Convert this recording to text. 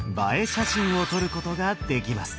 写真を撮ることができます。